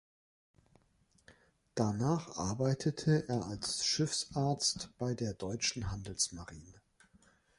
Danach arbeitete er als Schiffsarzt bei der deutschen Handelsmarine.